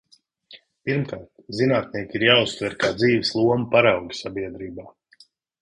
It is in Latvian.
Pirmkārt, zinātnieki ir jāuztver kā dzīves lomu paraugi sabiedrībā.